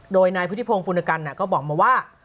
โดยนายพุทธิพงศ์ปุณกันก็บอกมาว่า